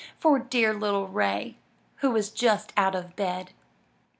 For dear little Ray who was just out of bed.